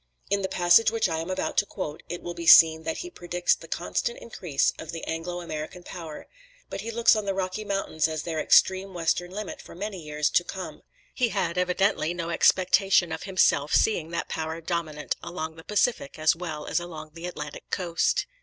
In the passage which I am about to quote, it will be seen that he predicts the constant increase of the Anglo American power, but he looks on the Rocky Mountains as their extreme western limit for many years to come. He had evidently no expectation of himself seeing that power dominant along the Pacific as well as along the Atlantic coast.